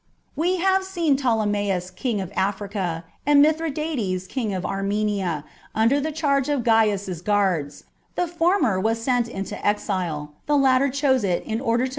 We have seen Ptolemaeus King of Africa, and Mithridates King of Armenia, under the charge of Gaius's * guards : the former was sent into exile, the latter chose it in order to make his ^ Haase reads Ptolemaeus.